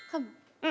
うん。